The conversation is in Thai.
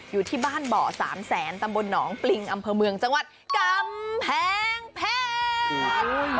อยู่ที่บ้านเบาะ๓แสนตำบลหนองปริงอำเภอเมืองจังหวัดกำแพงเพชร